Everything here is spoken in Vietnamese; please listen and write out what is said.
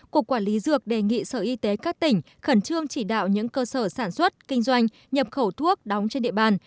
cục quản lý dược đề nghị sở y tế các tỉnh khẩn trương chỉ đạo những cơ sở sản xuất kinh doanh nhập khẩu thuốc đóng trên địa bàn